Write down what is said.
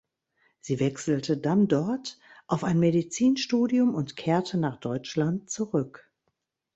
Sie wechselte dann dort auf ein Medizinstudium und kehrte nach Deutschland zurück.